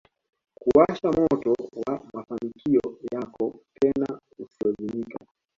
kuwasha moto wa mafanikio yako tena usiozimika